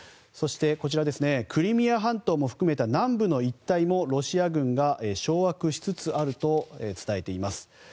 そして、クリミア半島も含めた南部の一帯もロシア軍が掌握しつつあると伝えています。